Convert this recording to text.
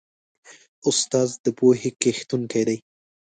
استاد د پوهې کښتونکی دی.